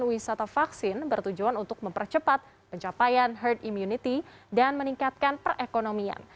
wisata vaksin bertujuan untuk mempercepat pencapaian herd immunity dan meningkatkan perekonomian